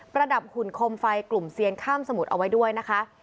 ระดับหุ่นคมไฟกลุ่มเซียนข้ามสมุดเอาไว้ด้วยนะคะ